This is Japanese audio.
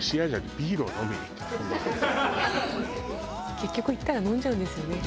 結局行ったら飲んじゃうんですよね。